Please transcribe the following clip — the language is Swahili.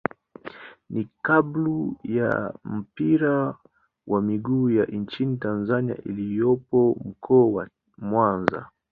ni klabu ya mpira wa miguu ya nchini Tanzania iliyopo Mkoa wa Mwanza.